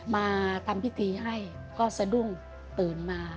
มาทำพิธีให้ก็สะดุ้งตื่นมา